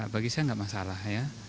bagi saya nggak masalah ya